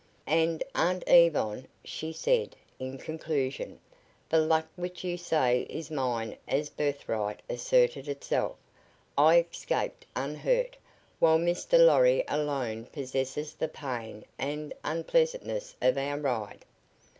"And, Aunt Yvonne," she said, in conclusion, "the luck which you say is mine as birthright asserted itself. I escaped unhurt, while Mr. Lorry alone possesses the pain and unpleasantness of our ride."